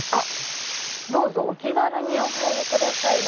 「どうぞお気軽にお入り下さい」。